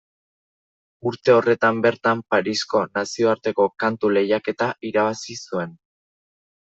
Urte horretan bertan Parisko nazioarteko kantu-lehiaketa irabazi zuen.